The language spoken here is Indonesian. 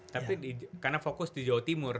tapi karena fokus di jawa timur